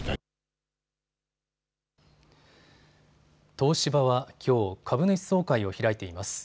東芝はきょう、株主総会を開いています。